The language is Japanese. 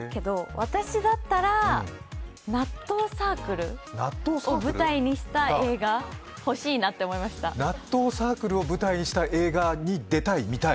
私だったら納豆サークルを舞台にした映画、欲しいなって思いました納豆サークルを舞台にした映画に出たい？